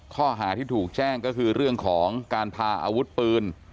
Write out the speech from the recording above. ข้อหาที่ถูกแจ้งก็คือเรื่องของการพาอาวุธปืน